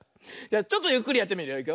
じゃちょっとゆっくりやってみるよ。